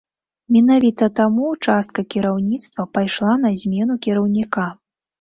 Менавіта таму частка кіраўніцтва пайшла на змену кіраўніка.